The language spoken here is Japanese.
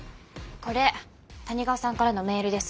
これ谷川さんからのメールです。